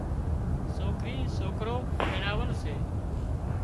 سوڪري سوڪرو پينڻاول سي